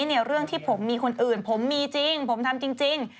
เนี่ยเรื่องที่ผมมีคนอื่นผมมีจริงผมทำจริง